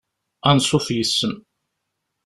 Ansuf yes-m.